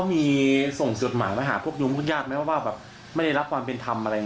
มันไม่สาหกัน